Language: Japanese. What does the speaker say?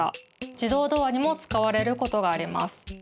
じどうドアにもつかわれることがあります。